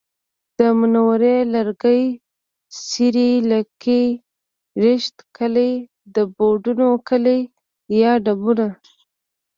د منورې لرکلی، سېرۍ کلی، رشید کلی، ډبونو کلی یا ډبونه